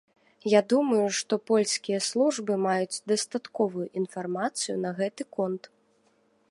Я думаю, што польскія службы маюць дастатковую інфармацыю на гэты конт.